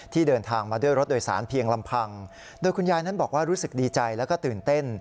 เดินทางมาด้วยรถโดยสารเพียงลำพังโดยคุณยายนั้นบอกว่ารู้สึกดีใจแล้วก็ตื่นเต้น